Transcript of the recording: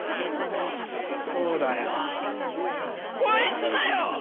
そうだよこいつだよ！